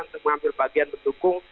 untuk mengambil bagian berdukung